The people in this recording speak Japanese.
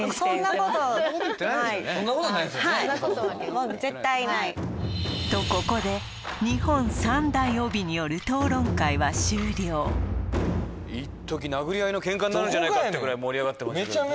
もう絶対ない！とここで日本３大帯によるいっとき殴り合いの喧嘩になるんじゃないかってぐらい盛り上がってました